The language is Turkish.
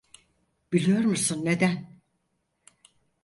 Biliyor musun neden?